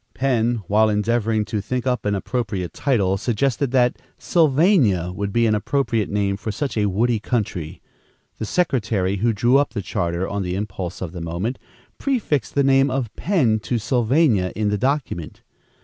Penn, while endeavoring to think up an appropriate title, suggested that Sylvania would be an appropriate name for such a woody country. The secretary who drew up the charter, on the impulse of the moment, prefixed the name of Penn to Sylvania in the document.